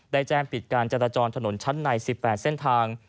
ได้แจ้งปิดการจราจรถนนชั้นใน๑๘เส้นทาง